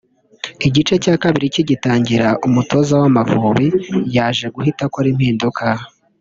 Igice cya kabiri kigitangira umutoza w’Amavubi yaje guhita akora impinduka